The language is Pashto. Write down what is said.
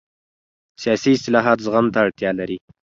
سیاسي اصلاحات زغم ته اړتیا لري